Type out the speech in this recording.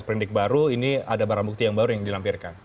perindik baru ini ada barang bukti yang baru yang dilampirkan